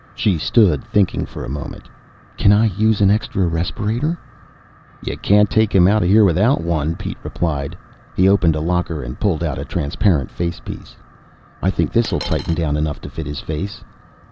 She stood thinking for a moment. "Can I use an extra respirator?" "You can't take him out without one!" Pete replied. He opened a locker and pulled out a transparent facepiece. "I think this'll tighten down enough to fit his face."